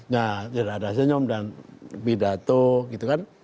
nah tidak ada senyum dan pidato gitu kan